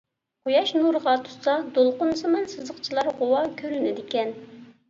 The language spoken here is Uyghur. قۇياش نۇرىغا تۇتسا، دولقۇنسىمان سىزىقچىلار غۇۋا كۆرۈنىدىكەن.